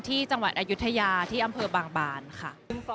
ที่จังหวัดอายุทยาที่อำเภอบางบานค่ะ